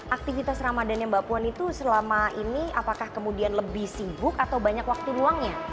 aktivitas ramadannya mbak puan itu selama ini apakah kemudian lebih sibuk atau banyak waktu luangnya